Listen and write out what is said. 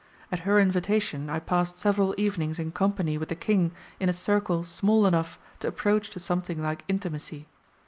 At her invitation I passed several evenings in company with the King in a circle small enough to approach to something like intimacy.